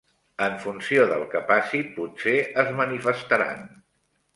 En funció del que passi potser es manifestaran.